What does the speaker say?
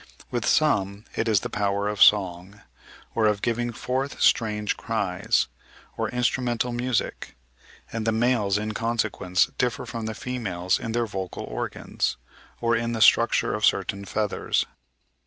With some it is the power of song, or of giving forth strange cries, or instrumental music, and the males in consequence differ from the females in their vocal organs, or in the structure of certain feathers.